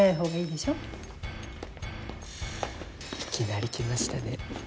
いきなり来ましたね。